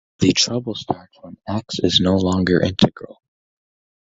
The trouble starts when "X" is no longer integral.